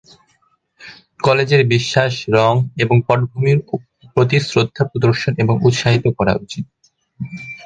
কলেজের বিশ্বাস, রঙ এবং পটভূমির প্রতি শ্রদ্ধা প্রদর্শন এবং উত্সাহিত করা উচিত।